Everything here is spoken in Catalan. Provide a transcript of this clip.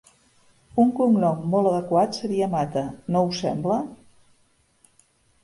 Un cognom molt adequat seria Mata, no us sembla?